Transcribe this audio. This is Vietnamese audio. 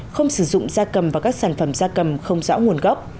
không sử dụng da cầm và các sản phẩm da cầm không rõ nguồn gốc